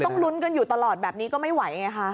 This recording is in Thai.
ลุ้นกันอยู่ตลอดแบบนี้ก็ไม่ไหวไงคะ